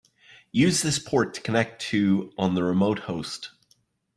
Use this port to connect to on the remote host.